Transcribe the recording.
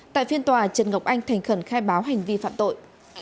tại phiên tòa trần ngọc anh thành khẩn khai báo hành vi phạm tội